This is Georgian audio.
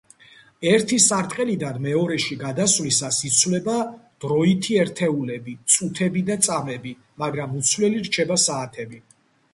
ერთი სარტყელიდან მეორეში გადასვლისას იცვლება დროითი ერთეულები წუთები და წამები, მაგრამ უცვლელი რჩება საათები.